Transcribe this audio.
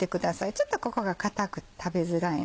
ちょっとここが硬く食べづらいのでね。